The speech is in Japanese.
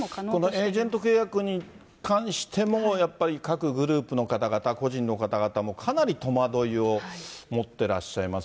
このエージェント契約に関しても各グループの方々、個人の方々も、かなり戸惑いを持ってらっしゃいます。